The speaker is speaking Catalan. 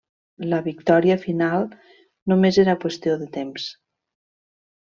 La victòria final només era qüestió de temps.